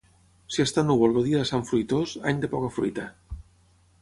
Si està núvol el dia de Sant Fruitós, any de poca fruita.